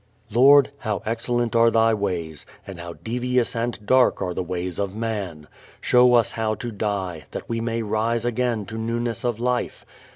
_Lord, how excellent are Thy ways, and how devious and dark are the ways of man. Show us how to die, that we may rise again to newness of life.